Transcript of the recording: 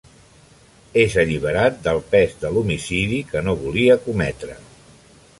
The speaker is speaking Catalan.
És alliberat del pes de l'homicidi que no volia cometre.